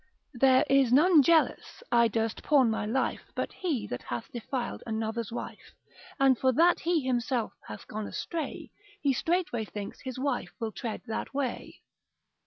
There is none jealous, I durst pawn my life, But he that hath defiled another's wife, And for that he himself hath gone astray, He straightway thinks his wife will tread that way.